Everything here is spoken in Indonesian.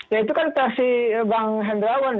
ya itu kan versi bang hendrawan